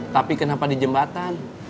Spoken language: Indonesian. tapi kenapa di jembatan